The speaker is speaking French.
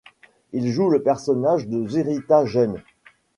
Il joue le personnage de Zurita jeune.